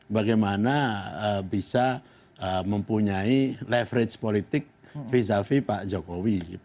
bagaimana bisa mempunyai leverage politik vis a vis pak jokowi